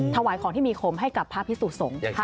ถวายของที่มีคมให้กับพระพิสุสงฆ์